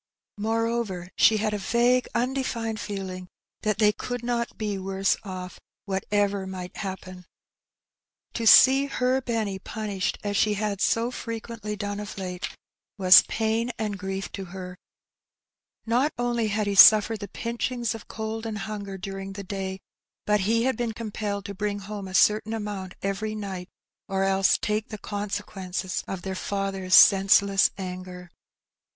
Moreover, she had a vague, undefined feeling that they could not be worse off, whatever might happen. To see her EouGHiNG It. 27 Benny punished as she had so frequently done of late was ''pain and grief to her: not only had he suffered the pinchings of cold and hunger during the day, but he had been compelled to bring home a certain amount every night, or else take the consequences of their father^s senseless anger.